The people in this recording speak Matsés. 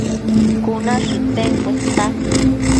Cuna shëcten cuesta